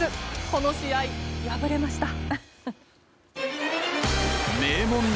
この試合、敗れました。